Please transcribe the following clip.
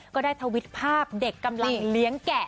ก็ได้ทวิตภาพเด็กกำลังเลี้ยงแกะ